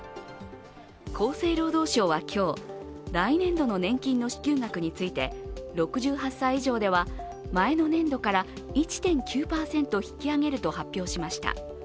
厚生労働省は今日来年度の年金の支給額について６８歳以上では、前の年度から１．９％引き上げると発表しました。